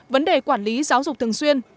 vấn đề quản lý giáo dục thường xuyên